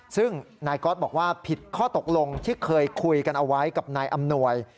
ซึ่งนายก๊อตบอกว่าผิดข้อตกลงที่เคยคุยกันเอาไว้กับนายอำนวย